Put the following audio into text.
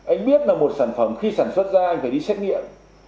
anh biết là một sản phẩm khi sản xuất ra anh phải đi xét nghiệm